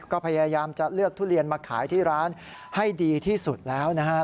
ก็พยายามจะเลือกทุเรียนมาขายที่ร้านให้ดีที่สุดแล้วนะฮะ